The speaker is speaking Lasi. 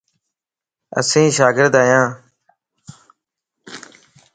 اسين شاگرد ايان